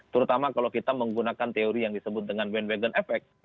terutama kalau kita menggunakan teori yang disebut dengan bandwagon effect